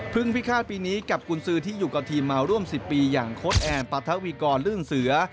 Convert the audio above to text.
พึ่งพิคาทปีนี้กับกุญสื่อที่อยู่กับทีมมาร่วมสิบปีอย่างคแอร์ปทวีกรเรื่องเสือ